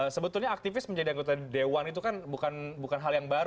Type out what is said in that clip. sebetulnya aktivis menjadi anggota dewan itu kan bukan hal yang baru